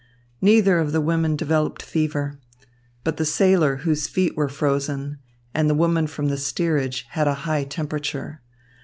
Neither of the women developed fever. But the sailor whose feet were frozen and the woman from the steerage had a high temperature.